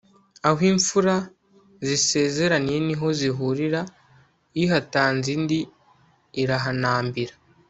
aho imfura zisezeraniye niho zihurira ihatanze indi irahanambira